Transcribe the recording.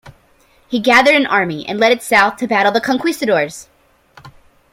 He gathered an army and led it south to battle the conquistadors.